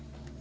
pak pak pak